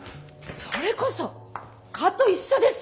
それこそ蚊と一緒ですよ。